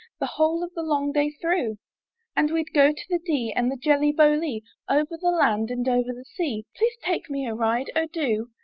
The whole of the long day through; And we'd go to the Dee, and the Jelly Bo Lee, Over the land and over the sea: Please take me a ride! Oh, do!"